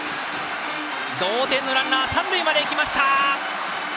同点のランナー三塁まで行きました。